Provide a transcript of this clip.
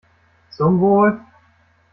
Zum Wohl!